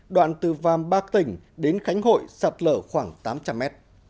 đoạn từ vàm ba tỉnh đến khánh hội sạt lở khoảng tám trăm linh mét